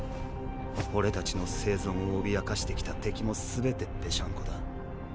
俺たちの生存を脅かしてきた敵もすべてぺしゃんこだ。